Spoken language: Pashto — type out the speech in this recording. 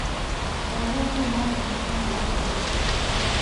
• د ورځې لمر د ژوند قوت دی.